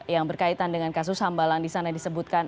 yang berkaitan dengan kasus hambalang di sana disebutkan